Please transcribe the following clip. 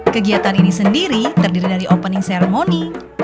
kegiatan ini sendiri terdiri dari opening ceremony